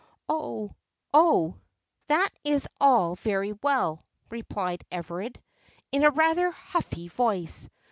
"Oh, that is all very well," replied Everard, in rather a huffy voice.